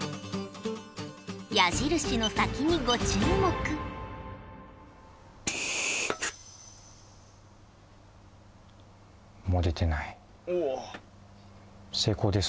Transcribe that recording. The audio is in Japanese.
矢印の先にご注目おお！